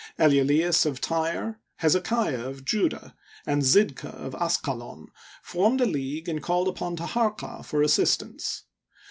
Elulaeus of Tyre, Hezekiah of Judah, and Zidkah of Asqalon, formed a league and called upon Taharqa for assistance.